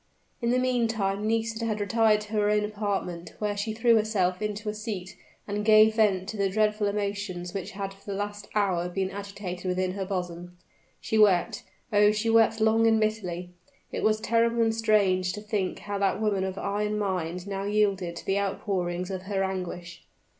In the meantime Nisida had retired to her own apartment, where she threw herself into a seat, and gave vent to the dreadful emotions which had for the last hour been agitating within her bosom. She wept oh! she wept long and bitterly: it was terrible and strange to think how that woman of iron mind now yielded to the outpourings of her anguish.